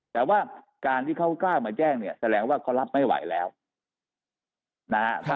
แต่ว่าการที่เขากล้ามาแจ้งเนี่ยแสดงว่าเขารับไม่ไหวแล้วนะฮะ